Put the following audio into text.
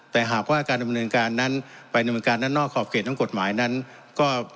แต่หากว่าการดำเนินการนั้นไปดำเนินการด้านนอกขอบเขตทั้งกฎหมายนั้นก็